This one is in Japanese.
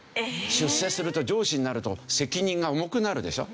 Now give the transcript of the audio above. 出世すると上司になると責任が重くなるでしょ？